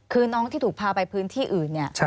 คือน้องที่ถูกพาไปพื้นที่อื่นเนี่ย